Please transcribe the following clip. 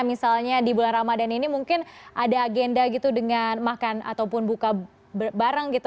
misalnya di bulan ramadan ini mungkin ada agenda gitu dengan makan ataupun buka bareng gitu